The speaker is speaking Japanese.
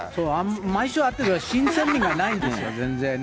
毎週会ってるから、新鮮味がないんですよ、全然ね。